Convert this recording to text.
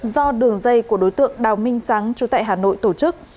do đường dây của đối tượng đào minh sáng chú tại hà nội tổ chức